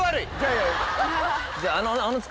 じゃあ。